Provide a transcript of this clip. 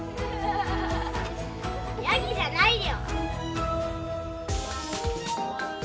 ヤギじゃないよ！